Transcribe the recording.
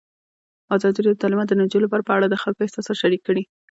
ازادي راډیو د تعلیمات د نجونو لپاره په اړه د خلکو احساسات شریک کړي.